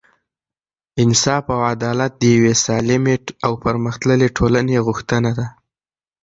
انصاف او عدالت د یوې سالمې او پرمختللې ټولنې غوښتنه ده.